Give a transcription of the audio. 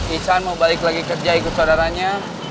ican mau balik lagi kerja ikut saudaranya